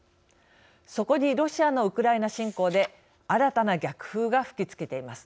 そこにロシアのウクライナ侵攻で新たな逆風が吹きつけています。